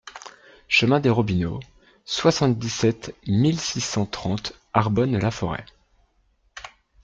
Chemin des Robineaux, soixante-dix-sept mille six cent trente Arbonne-la-Forêt